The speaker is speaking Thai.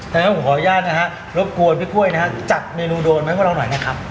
ดังนั้นผมขออนุญาตนะฮะรบกวนพี่กล้วยนะฮะจัดเมนูโดนมาให้พวกเราหน่อยนะครับ